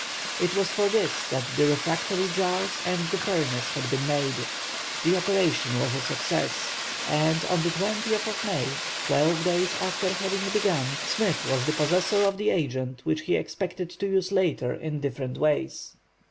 It was for this that the refractory jars and the furnace had been made. The operation was a success; and on the 20th of May, twelve days after having begun, Smith was the possessor of the agent which he expected to use later in different ways.